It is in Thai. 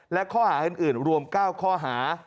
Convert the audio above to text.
และข้อหาอื่นรวม๙ข้อหา